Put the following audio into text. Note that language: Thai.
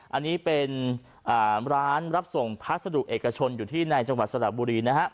อันนี้เป็นร้านรับส่งพัสดุเอกชนอยู่ที่ในจังหวัดสระบุรีนะครับ